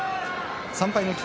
３敗の霧